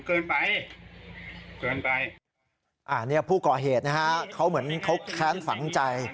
เกินไปเกินไปอ่าเนี่ยผู้ก่อเหตุนะฮะเขาเหมือนเขาแค้นฝังใจ